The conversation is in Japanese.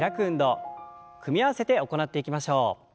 組み合わせて行っていきましょう。